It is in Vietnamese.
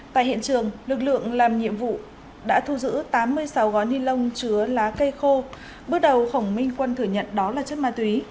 tại hiện trường lực lượng làm nhiệm vụ đã thu giữ tám mươi sáu gói ni lông chứa lá cây khô bước đầu khổng minh quân thừa nhận đó là chất ma túy